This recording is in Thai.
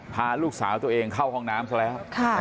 พาลูกสาวตัวเองเข้าห้องน้ำซะแล้ว